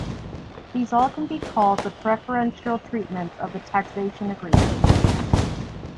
These all can be called the preferential treatments of the taxation agreement.